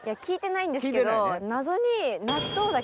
聞いてないんですけど謎に。